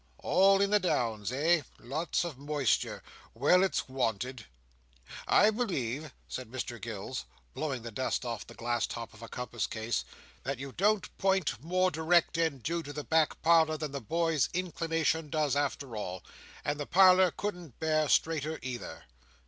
All in the Downs, eh! Lots of moisture! Well! it's wanted." "I believe," said Mr Gills, blowing the dust off the glass top of a compass case, "that you don't point more direct and due to the back parlour than the boy's inclination does after all. And the parlour couldn't bear straighter either.